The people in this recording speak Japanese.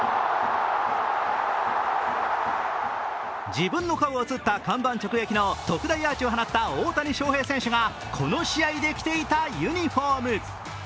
自らの顔が写った看板直撃の特大アーチを放った大谷翔平選手がこの試合で着ていたユニフォーム。